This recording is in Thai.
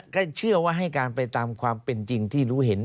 และเชื่อว่าให้การไปตามความเป็นจริงที่รู้เห็น